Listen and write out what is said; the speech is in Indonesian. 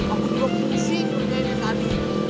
aku juga pusing ngerjainnya tadi